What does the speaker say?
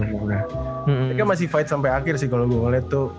ini kan masih fight sampai akhir sih kalo gue ngeliat tuh